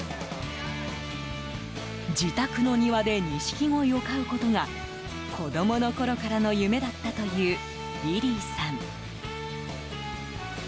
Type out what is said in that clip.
自宅の庭でニシキゴイを飼うことが子供のころからの夢だったというウィリーさん。